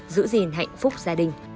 giữ gìn hạnh phúc gia đình